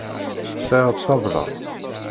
Sɛiɣ ṭṭabla.